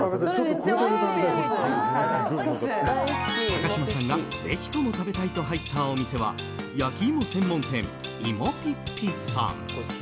高嶋さんがぜひとも食べたいと入ったお店は焼きいも専門店芋ぴっぴ。